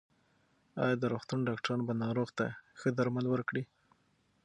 ایا د روغتون ډاکټران به ناروغ ته ښه درمل ورکړي؟